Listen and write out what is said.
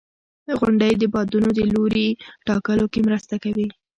• غونډۍ د بادونو د لوري ټاکلو کې مرسته کوي.